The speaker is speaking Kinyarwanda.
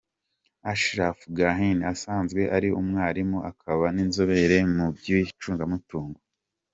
Ashraf Ganhi asanzwe ari umwarimu, akaba n’inzobere mu by’icungamutungo.